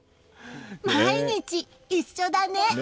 毎日、一緒だね！